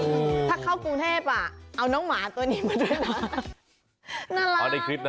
ถ้าเข้ากรุงเทพฯเอาน้องหมาตัวนี้มาด้วยนะ